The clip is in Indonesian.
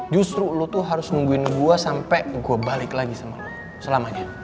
justru lo tuh harus nungguin gue sampai gue balik lagi sama lo selamanya